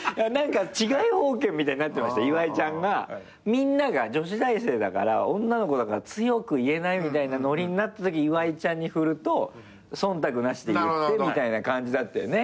みんなが女子大生だから女の子だから強く言えないみたいなノリになったとき岩井ちゃんに振ると忖度なしで言ってみたいな感じだったよね